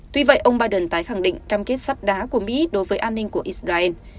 tuy vậy ông biden tái khẳng định cam kết sắp đá của mỹ đối với an ninh của israel